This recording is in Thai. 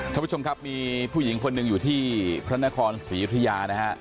ท่านผู้ชมครับมีผู้หญิงคนหนึ่งอยู่ที่พระนครศรียุธยานะฮะ